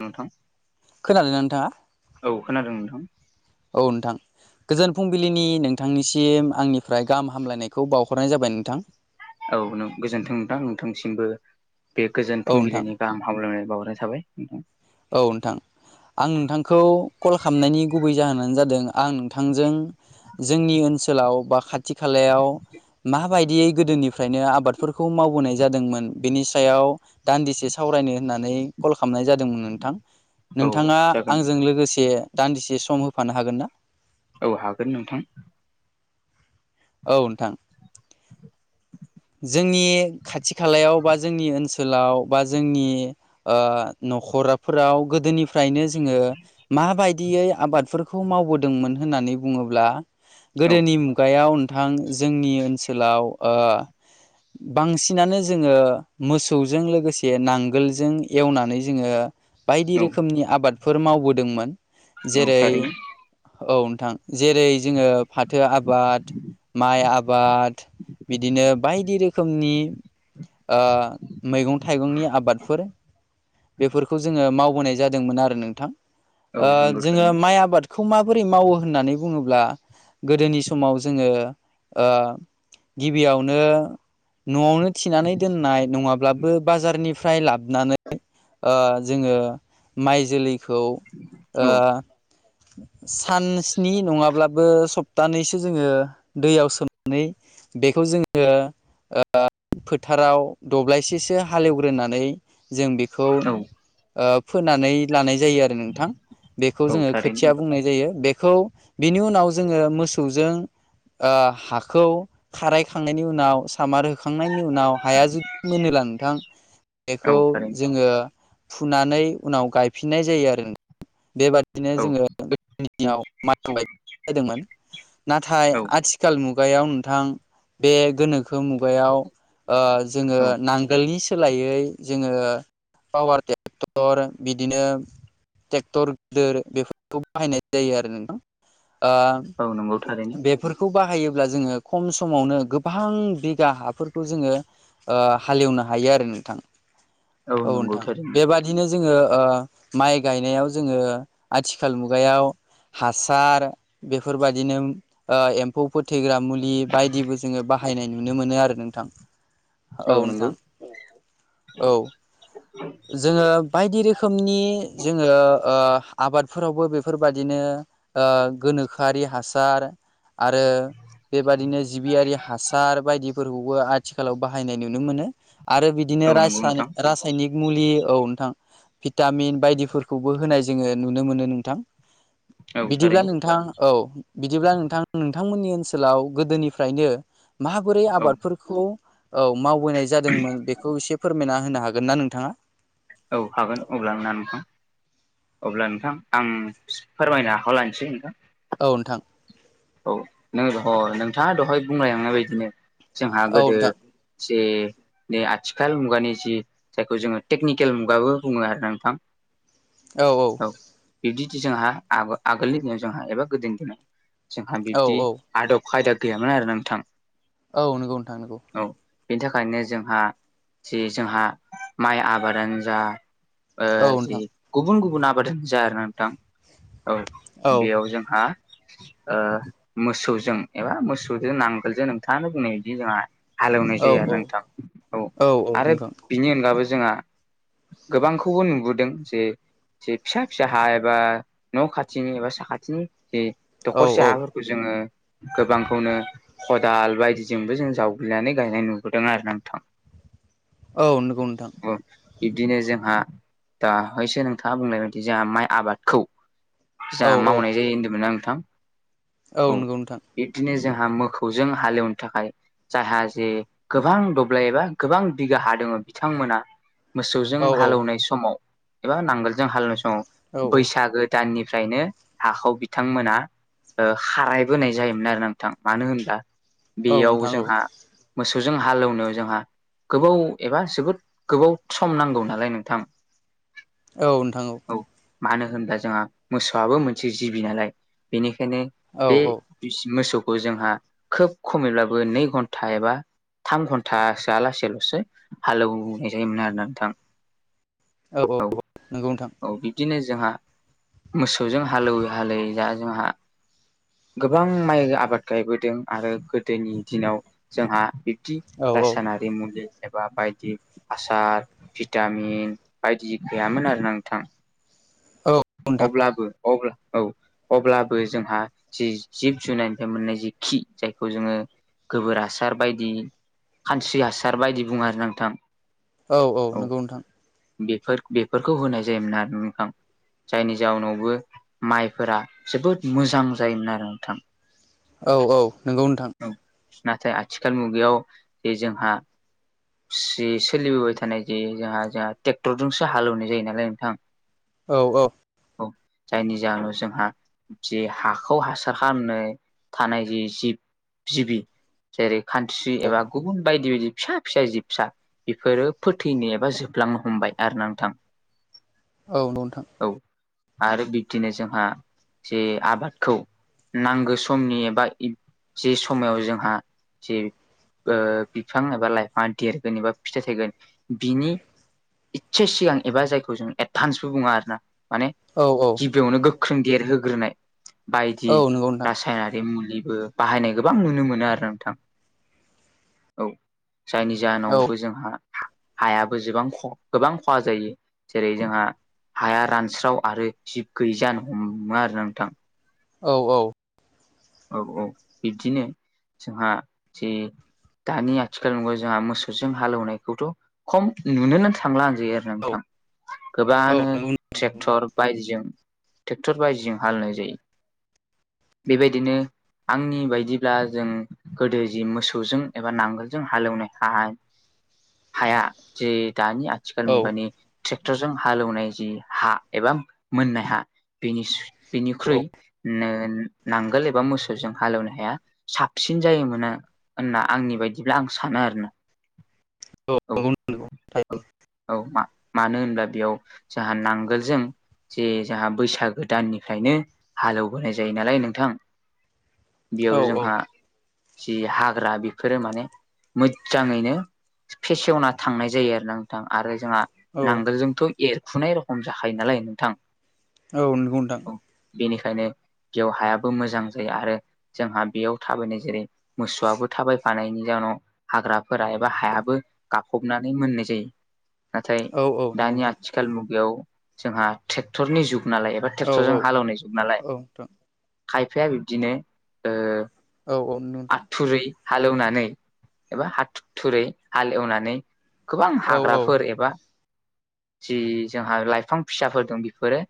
नोंथां। खोनादोंना नोंथाङा? औ खोनादों नोंथां। औ नोंथां। गोजोन फुंबिलिनि नोंथांनिसिम आंनिफ्राय गाहाम हामलायनायखौ बावहरनाय जाबाय नोंथां। औ नों गोजोनथों नोंथां। नोंथांसिमबो बे गोजोन औ नोंथां फुंबिलिनि गाहाम हामलायनाय बावहरनाय थाबाय नोंथां। औ नोंथां। आं नोंथांखौ कल खालामनायनि गुबै जाहोनानो जादों आं नोंथांजों जोंनि ओनसोलाव बा खाथि खालायाव माबायदियै गोदोनिफ्रायनो आबाद फोरखौ मावबोनाय जादोंमोन बेनि सायाव दान्दिसे सावरायनो होननानै कल खालामनाय जादोंमोन नों थां। औ नोंथाङा जागोन दे आंजों लोगोसे दान्दिसे सम होफानो हागोन ना? औ हागोन नोंथां। औ नोंथां। जोंनि खाथि खालायाव बा जोंनि ओनसोलाव बा जोंनि ओ न'खरफोराव गोदोनिफ्रायनो जोङो माबायदियै आबादफोरखौ मावबोदोंमोन होननानै बुङोब्ला औ गोदोनि मुगायाव नोंथां जोंनि ओनसोलाव ओ बांसिनानो जोङो मोसौजों लोगोसे नांगोलजों एवनानै जोङो बायदि औ रोखोमनि आबादफोर मावबोदोंमोन औ जेरै थारैनो औ नोंथां जेरै जोङो फाथो आबाद, माइ आबाद बिदिनो बायदि रोखोमनि मैगं थाइगंनि आबादफोर बेफोरखौ जोङो मावबोनाय जादोंमोन आरो नोंथां औ ओ नंगौ जोङो थारैनो माइ आबाद खौ माबोरै मावो होननानै बुङोब्ला गोदोनि समाव जोङो ओ गिबियावनो न'आवनो थिनानै दोननाय नङाब्लाबो बाजारनिफ्राय लाबो नानै ओ जोङो माइ जोलैखौ ओ औ [unintelligible] सान स्नि नङाब्लाबो सप्तानैसो जोङो दैयाव सोमानै बेखौ जोङो ओ फोथाराव दब्लायसेसो हालेवग्रोनानै जों बेखौ औ ओ फोनानै लानाय जायो आरो नोंथां बेखौ औ जोङो थारैनो खोथिया नोंथां बुंनाय जायो बे खौ बिनि उनाव जोङो मोसौजों ओ हाखौ खाराय थांनायनि उनाव सामार होखांनायनि उनाव हाया जुदि मोनोब्ला नोंथां औ बेखौ थारैनो जोङो फुनानै उनाव गायफिननाय जायो आरो बेबादिनो औ जोङो [unintelligible] माइ हाय जादोंमोन नाथाय औ आथिखाल मुगायाव नोंथां बे गोनोखो मुगायाव ओ जोङो औ नांगोलनि सोलायै जोङो पावार ट्रेक्टर बिदिनो ट्रेक्टर गिदिर बेफोरखौ बाहायनाय जायो आरो नोंथां औ नंगौ थारैनो खौ बाहायोब्ला जोङो खम समावनो गोबां बिगा हाफोरखौ जोङो ओ हालेवनो हायो आरो नोंथां औ नंगौ नोंथां थारैनो बेबा दिनो जोङो ओ माइ गायनायाव जोङो आथिखाल मुगायाव हासार बेफोरबायदिनो ओ एम्फौ फोथैग्रा मुलि बायदिबो जोङो बाहायनाय नुनो मोनो आरो नोंथां औ नोंथां औ जोङो बायदि रोखोमनि जोङो ओ आबादफोरावबो बेफोरबादिनो ओ गोनोखोआरि हासार आरो बेबादिनो जिबियारि हासार बायदिफोरखौबो आथिखालाव बाहायनाय नुनो मोनो आरो औ बिदिनो नंगौ रायसा नोंथां रा साइनिक मुलि औ नोंथां भिटामिन बायदिफोरखौबो होनाय जोङो नुनो मोनो नोंथां। औ बिदिब्ला थारैनो नोंथां औ बिदिब्ला नोंथां नोंथांमोननि ओनसोलाव गोदोनिफ्रायनो माबोरै औ आबादफोरखौ औ मावबोनाय जादोंमोन बेखौ एसे फोरमायना होनो हागोन ना नोंथाङा? औ हागोन अब्ला नोंना नोंथां अब्ला नोंथां आं फोरमायनो आखायावखौ लानोसै नोंथां औ नोंथां औ नों नोंथाङा दहाय बुंलायलांनाय बायदिनो औ जोंहा गोदो नोंथां जि बे आथिखाल मुगानि जि जायखौ जोङो टेकनिकेल मुगाबो बुङो आरो नोंथां औ औ बिदिडि जोंहा आगोलनि दिनाव जोंहा एबा गोदोनि दिनाव जोंहा औ बिबदि औ आदब खायदा गैयामोन आरो नोंथां। औ नंगौ नोंथां नोंगौ। औ बेनि थाखायनो जोंहा जि जोंहा माइ आबादानो ओ औ जि नोंथां गुबुन गुबुन आबादानो जा आरोना नोंथां, औ औ बेयाव जोंहा ओ मोसौजों एबा मोसौजों नांगोलजों नोंथाङानो बुंनाय बायदि जोंहा हालेवनाय औ जाया नोंथां औ आरो बिनि अनगाबो जोंहा गोबांखौबो नुबोदों जे जे फिसा फिसा हा एबा न' खाथिनि एबा साखाथिनि जे औ दखरसे औ हाफोर खौ जोङो गोबांखौनो खदाल बायदिजोंबो जों जावग्लिनानै गायनाय नुबोदों आरो ना नोंथां। औ नंगौ नोंथां। औ बिब्दिनो जोंहा दा हैसो नोंथाङा बुंनाय बायदि जोंहा माइ आबादखौ औ जाहा औ मावनाय जायो होनदोंमोन ना नोंथां? औ नंगौ नोंथां। बिदिनो जोंहा मोखौजों हालेवनो थाखाय जायहा जे गोबां दब्लाय एबा गोबां बिगा हा दङ' बिथांमोना मोसौजों औ औ हालेवनाय समाव एबा नांगोलजों हालेवनाय समाव औ बैसागो दाननिफ्रायनो हाखौ बिथांमोना ओ खाराय बोनाय जायोमोन आरो ना नोंथां मानो होनबा औ बेयाव नोंथां जोंहा मोसौजों हालेवनो जोंहा गोबाव एबा जोबोद गोबाव सम नांगौ नालाय नोंथां औ नोंथां औ। औ मानो होनबा जोंहा मोसौआबो मोनसे जिबि नालाय बेनिखायनो औ बे बि मोसौखौ जोंहा खोब खमैब्लाबो नै घन्था एबा थाम घन्थासोआ लासैल'सो हालौवनाय जायोमोन आरोना नोंथां। औ औ नंगौ नोंथां औ बिदिनो जोंहा मोसौजों हालौवै हालेवै दा जोंहा गोबां माइ आबाद गायबोदों आरो गोदोनि दिनाव जोंहा बिब्दि औ औ रासायनारि मुलि एबा बायदि हासार भिटामिन बायदि गैयामोन आरोना नोंथां औ नोंथां अब्लाबो अब्ला औ अब्लाबो जोंहा जि जिब जुनारनिफ्राय मोननाय जि खि जायखौ जोङो गोबोर हासार बायदि खानस्रि हासार बायदि बुङो आरोना नोंथां। औ औ नंगौ नोंथां। बेफोर बेफोरखौ होनाय जायोमोन आरो नोंथां। जायनि जाउनावबो माइफोरा जोबोद मोजां जायोमोन आरो नोंथां। औ औ नोंगौ नोंथां। औ नाथाय आथिखाल मुगायाव बे जोंहा सि सोलिबोबाय थानाय जे जोंहा जोंहा ट्रेक्टरजोंसो हालेवनाय जायो नालाय नोंथां औ औ औ जायनि जाहोनाव जोंहा जे हाखौ हासार खालामनो थानाय जि जिब जिबि जेरै खान्स्रि औ एबा गुबुन बायदि बिबायदि फिसा फिसा जिबसा बेफोरो फोथैनो एबा जोबलांनो हमबाय आरो ना नोंथां। औ नंगौ नोथां। औ आरो बिब्दिनो जोंहा जे आबादखौ नांगौ समनि एबा इ जि समाव जोंहा जि ओ बिफां एबा लाइफाङा देरगोन एबा फिथाइ थायगोन बिनि इसे सिगां एबा जायखौ जों एदभान्सबो बुङो आरो ना माने औ औ बेयावनो गोख्रों देरहोग्रोनाय बायदि औ नंगौ नोंथां रासायनारि मुलिबो बाहायनाय गोबां नुनो मोनो आरो नोंथां औ जायनि औ जाहोनावबो जोंहा हायाबोबां गोबां खहा जायो जेरै जोंहा हाया रान रानस्राव आरो जिब गैयि जानो हमो आरोना नोंथां औ औ औ औ बिब्दिनो जोंहा जे दानि आथिखाल मुगायाव जोंहा मोसौजों हालेवनायखौथ' खम नुनोनो थांला होनजायो आरो नंगौ थां औ गोबानो नंगौ नंगौ औ ट्रेरक्टर बाय ट्रेक्टर बायदिजों हालनाय जायो बेबायदि बिदिनो आंनि बायदिब्ला जों गोदो जि मोसौजों एबा नांगोलजों हालेवनाय हाय हाया जे दानि आथिखाल औ मुगानि ट्रेक्टरजों हालौवनाय जि हा एबा मोननाय हा बेनि बिनिख्रुइ नांग आगोल एबा मोसौजों हालेवनो हाया साबसिन जायोमोना होनना आंनि बायदिब्ला आं सानो आरोोना [inaudible] औ औ औ मानो होनब्ला बेयाव जोंहा नांगोलजों जे जोंहा बैसागो दाननिफ्रायनो हालेवबोनाय जायो नालाय नोंथां बेयाव जोंहा जि हाग्रा बेफोरो माने मोजाङैनो पेसेवना थांनाय जायो आरो ना नोंथां आरो जोंहा नांगोलजोंथ' एरखुनाय रखम जाखायो नालाय नोंथां औ नंगौदां बेनिखायनो बेउ हायाबो मोजां जायो आरो जोंहा बेयाव थाबायनाय जेरै मोसौआबो थाबायफानायनि जाउनाव हाग्राफोरा एबा हायाबो गाबबनानै मोननाय जायो नाथाय औ औ नंगौ दानि आ नोंथां आथिखाल मुगायाव जोंहा ट्रेक्टरनि जुग नालाय एबा औ औ ट्रेक्टरजों हालौनाय जुग नालाय औ दां खायफाया बिब्दिनो औ औ नंगौ नोंथां आथुरै हालेवनानै एबा हाथ थुरै हालेवनानै गोबां औ औ हाग्राफोर एबा जि जोंहा लाइफां फिसाफोर दं बेफोरो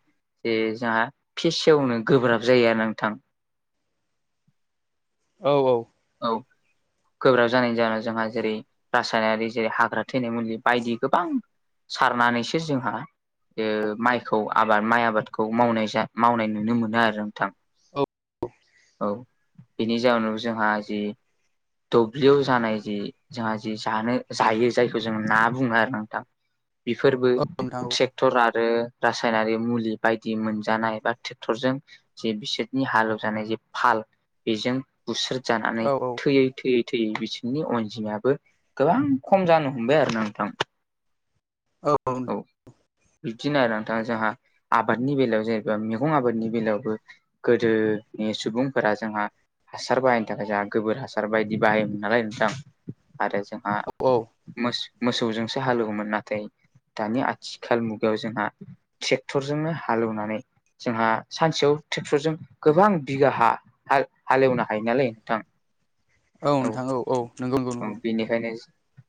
जे जोंहा फिसेवनो गोब्राब जायो न थां औ औ औ गोब्राब जानायनि जाहोनाव जोंहा जेरै रासायनारि जेरै हाग्रा थैनाय मुलि बायदि गोबां सारनानैसो जोंहा माइखौ आबाद माइ आबादखौ मावनाय जा मावनाय नुनो मोनो आरो नोंथां औ औ बेनि जाउोनाव जोंहा जि दुब्लियाव जानाय जि जोंहा जिे जानो जायो जायखौ जों ना बुङो आरो नोंथां बेफोरबो औ नोंथां ट्रेक ट्रेक्टर आरो रासायनारि मुलि बायदि मोनजानाय बा ट्रेक्टरजों ज बिसोरनि हालेवजानाय जे फाल बेजों बुस्रोजानानै औ औ थैययो थैयै थैयै बिसोरनि अनजिमायाबो गोबां खम जानो हमबाय आरो ना नोंथां औ बिदिनो आरो नोंथाङा जोंहा आबादनि बेलायाव जेनेबा मैगं आबादनि बेलायावबो गोदोनि सुबुंफोरा जोंहा हासार बाहायनो थाखाय जोंहा गोबोर हासार बायदि बाहायोमोन नालाय नोंथां आरो जों आ औ मोसौजोंसो हालेवगौमोन नाथाय दानि आथिखाल मुगायाव जोंहा ट्रेक्टरजोंनो हालौनानै जोंहा सानसेयाव ट्रेक्टरजों गोबां बिगा हा हालेवनो हायो नालाय नोंथां [inaudible] औ नोंथां औ औ नंगौ नंगौ औ नंगौ बेनिखायनो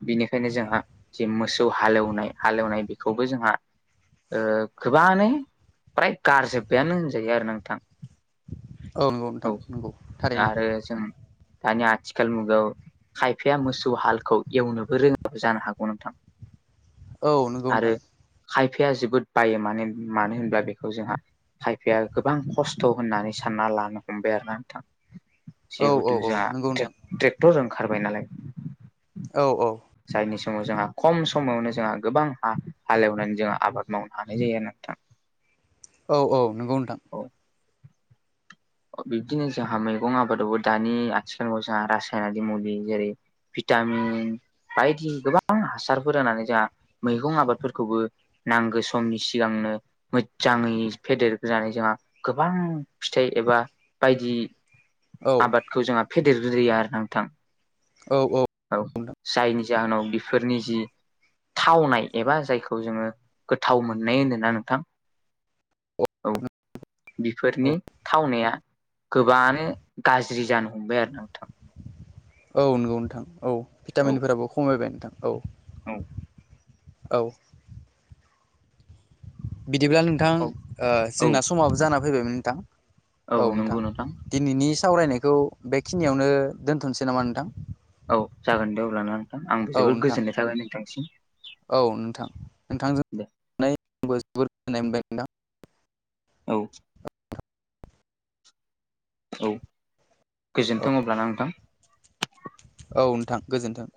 बिनिखायनो जोंहा जे मोसौ हालेवनाय हालेवनाय बेखौबो जोंहा ओ गोबाङानो फ्राय गारजोब्बायानो होनजायो आरो नोंथां नंगौ [inaudible] औ नोंथां नंगौ थारैनो आरो जों दानि आथिखाल मुगायाव खायफाया मोसौ हालखौ एवनोबो रोङाबो जानो हागौ नोंथां औ नंगौ आरो नोंथां खायफाया जोबोद बायो माने मानो होनब्ला बेखौ जोंहा खायफाया गोबां खस्थ' होननानै सानना लानो हमबाय आरोना नोंथां औ औ जिहेतु औ जोंहा नंगौ नोंथां ट्रेक्टर ओंखारबाय नालाय औ औ जायनि समाव जोंहा खम समावनो जोंहा गोबां हा हालेवनानै जोंहा आबाद मावनो हानाय जायो आरो नोंथां औ औ नोंगौ नोंथां औ बिब्दिनो जोंहा मैगं आबादावबो दानि आथिखालाव जोंहा रासायनारि मुलि जेरै भिटामिन बायदि गोबां हासारफोर होनानै जोंहा मैगं आबादफोरखौबो नांगौ समनि सिगांनो मोजाङै फेदेरग्रोनानै जोंहा गोबां फिथाइ एबा बायदि औ आबादखौ जोंहा फेदेरग्रोयो आरो नोंथां औ औ औ जायनि जाहोनाव बेफोरनि जि थावनाय एबा जायखौ जोङो गोथाव मोननाय होनो ना नोंथां औ बेफोरनि औ थावनाया गोबाङानो गाज्रि जानो हमबाय आरो नोंथां औ नंगौ नोंथां औ औ भिटामिनफोराबो खमायबाय नोंथां औ औ औ बिदिब्ला नोंथां औ ओ औ जोंना समाबो जाना फैबायमोन नोंथां औ नोंथां दिनैनि सावरायनायखौ बेखिनियावनो दोनथ'नोसै नामा नोंथां औ जागोन दे अब्लाना नोंथां औ आंबो जोबोद नोंथां गोजोन्नाय थागोन नोंथांसिम औ नोंथां नोंथांजों दे आंबो जोबोर गोजोनाय मोनबाय नोंथां औ औ औ गोजोन्थों अब्लाना नोंथां औ नोंथां गोजोन्थों